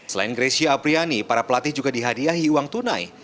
selain grecia apriani para pelatih juga dihadiahi uang tunai